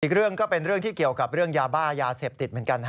อีกเรื่องก็เป็นเรื่องที่เกี่ยวกับเรื่องยาบ้ายาเสพติดเหมือนกัน